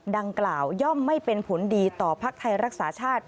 ดังกล่าวย่อมไม่เป็นผลดีต่อภักดิ์ไทยรักษาชาติ